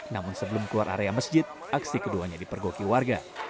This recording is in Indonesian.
namun sebelum keluar area masjid aksi keduanya dipergoki warga